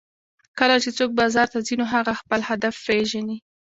کله چې څوک بازار ته ځي نو هغه خپل هدف پېژني